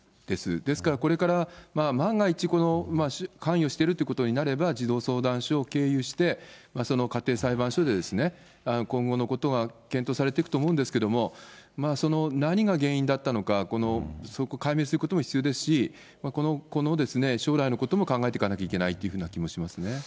ですからこれから万が一、関与しているということになれば、児童相談所を経由して、家庭裁判所で今後のことが検討されていくと思うんですけど、何が原因だったのか、そこを解明することも必要ですし、この子の将来のことも考えていかなきゃいけないというふうな気もしますね。